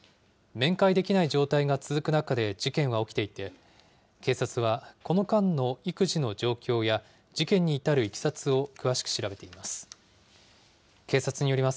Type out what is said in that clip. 面会できない状態が続く中で事件は起きていて、警察は、この間の育児の状況や、事件に至るいきさつを詳しく調べています。